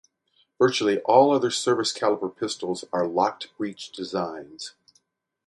Virtually all other service-caliber pistols are locked-breech designs.